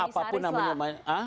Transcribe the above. sebab apapun namanya